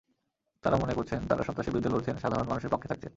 তাঁরা মনে করছেন, তাঁরা সন্ত্রাসের বিরুদ্ধে লড়ছেন, সাধারণ মানুষের পক্ষে থাকছেন।